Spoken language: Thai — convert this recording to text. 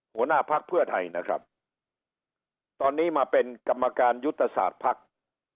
หัวหน้าพักเพื่อไทยนะครับตอนนี้มาเป็นกรรมการยุทธศาสตร์ภักดิ์